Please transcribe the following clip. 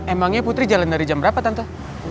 emangnya putri jalan dari jam berapa tentu